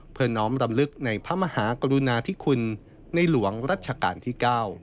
น้อมรำลึกในพระมหากรุณาธิคุณในหลวงรัชกาลที่๙